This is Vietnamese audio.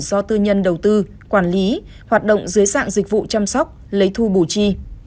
do tư nhân đầu tư quản lý hoạt động dưới sạng dịch vụ chăm sóc lấy thu bù chi